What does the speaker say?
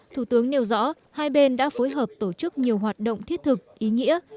thủ tướng nêu rõ hai bên đã phối hợp tổ chức nhiều hoạt động thiết thực ý nghĩa